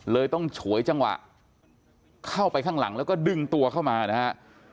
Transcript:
เลยต้องฉวยจังหวะเข้าไปข้างหลังแล้วก็ดึงตัวเข้ามานะฮะ